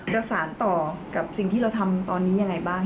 จะสารต่อกับสิ่งที่เราทำตอนนี้ยังไงบ้าง